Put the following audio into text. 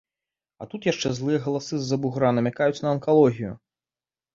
А тут яшчэ злыя галасы з-за бугра намякаюць на анкалогію.